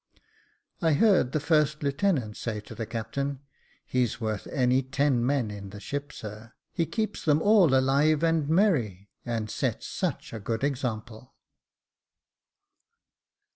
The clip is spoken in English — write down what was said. I heard the first lieutenant say to the captain, " He's worth any ten men in the ship, sir. He keeps them all alive and merry, and sets such a good example."